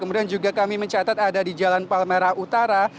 dan juga kami mencatat ada di jalan palmerah utara